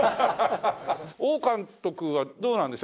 王監督はどうなんですか？